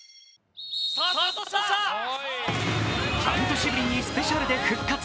半年ぶりにスペシャルで復活。